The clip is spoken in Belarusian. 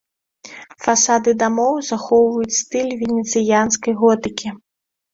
Фасады дамоў захоўваюць стыль венецыянскай готыкі.